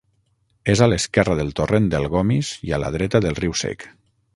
És a l'esquerra del torrent del Gomis i a la dreta del Riu Sec.